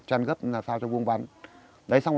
chăn gấp sao cho vuông vắng